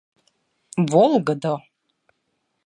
Волгыдо.